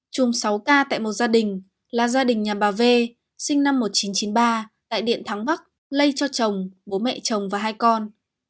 chùm sáu ca tại một gia đình là gia đình nhà bà v sinh năm một nghìn chín trăm chín mươi ba tại điện thắng bắc lây cho chồng bố mẹ chồng và hai con